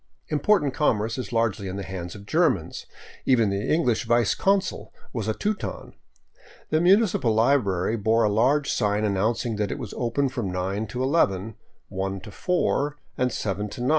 Important commerce is largely in the hands of Germans ; even the English vice consul was a Teuton. The munici pal library bore a large sign announcing that it was open from 9 to 11, I to 4, and 7 to 9.